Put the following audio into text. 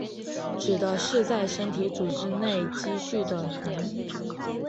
指的是在身体组织中蓄积的脓。